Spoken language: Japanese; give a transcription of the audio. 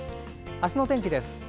明日の天気です。